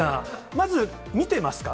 まず、見てますか？